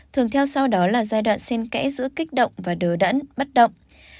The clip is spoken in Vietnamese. thường theo sau đó là giai đoạn xen kẽ giữa kích động và đỡ đẫn bất động